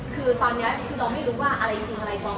คือตอนนี้คือเราไม่รู้ว่าอะไรจริงอะไรตรง